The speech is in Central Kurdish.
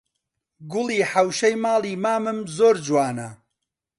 گوڵی حەوشەی ماڵی مامم زۆر جوانە